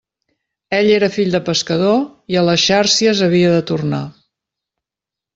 Ell era fill de pescador, i a les xàrcies havia de tornar.